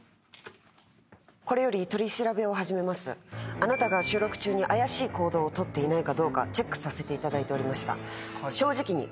あなたが収録中に怪しい行動を取っていないかどうかチェックさせていただいておりました。